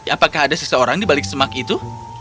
apakah ada seseorang di balik semak itu